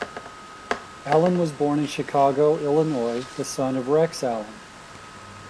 Allen was born in Chicago, Illinois, the son of Rex Allen.